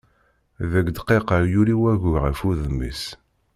Deg dqiqa yuli wagu ɣef wudem-is.